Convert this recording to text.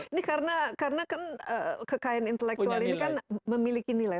ini karena kan kekayaan intelektual ini kan memiliki nilai